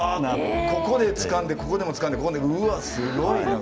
ここでつかんでここでもつかんでここでもうわっすごいなこれは。